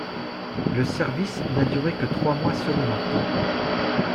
Le service n'a duré que trois mois seulement.